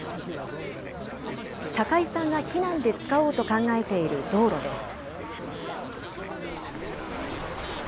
高井さんが避難で使おうと考えている道路です。